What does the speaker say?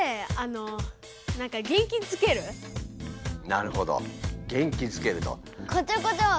なるほど元気づけると。